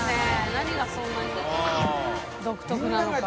何がそんなに独特なのか。